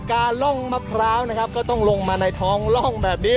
ล่องมะพร้าวนะครับก็ต้องลงมาในท้องร่องแบบนี้